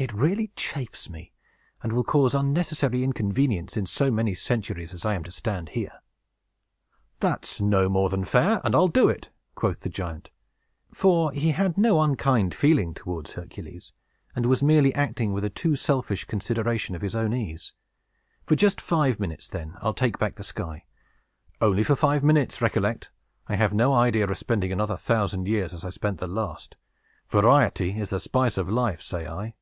It really chafes me, and will cause unnecessary inconvenience in so many centuries as I am to stand here." "That's no more than fair, and I'll do it!" quoth the giant; for he had no unkind feeling towards Hercules, and was merely acting with a too selfish consideration of his own ease. "For just five minutes, then, I'll take back the sky. Only for five minutes, recollect! I have no idea of spending another thousand years as I spent the last. Variety is the spice of life, say I."